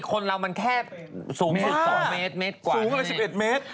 คนเรามันแค่สูง๑๒เมตรกว่าสูงเลย๑๑เมตร